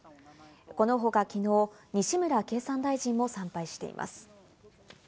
この他きのう、西村経産大臣も参拝しています。